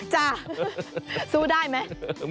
จ้ะสู้ได้ไหม